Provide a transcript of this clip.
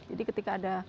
jadi ketika ada